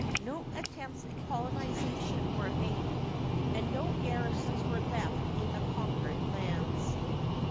No attempts at colonization were made, and no garrisons were left in the conquered lands.